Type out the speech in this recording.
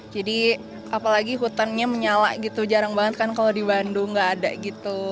jadi apalagi hutannya menyala gitu jarang banget kan kalau di bandung nggak ada gitu